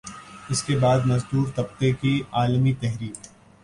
اسکے بعد مزدور طبقے کی عالمی تحریک